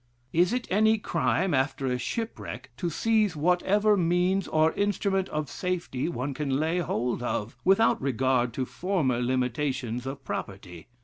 Is it any crime, after a shipwreck, to seize whatever means or instrument of safety one can lay hold of, without regard to former limitations of properly?